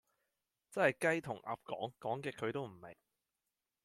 真係雞同鴨講，講極佢都唔明